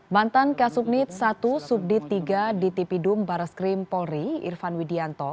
bantan kasubnit i subdit iii di tpdum baraskrim polri irfan widianto